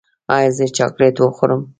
ایا زه چاکلیټ وخورم؟